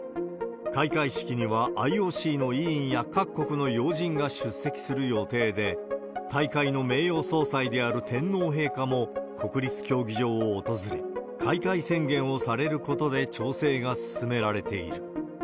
開会式にはＩＯＣの委員や各国の要人が出席する予定で、大会の名誉総裁である天皇陛下も、国立競技場を訪れ、開会宣言をされることで調整が進められている。